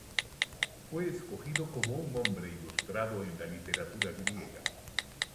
Fue escogido como un hombre ilustrado en la literatura griega.